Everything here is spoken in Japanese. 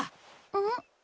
うん？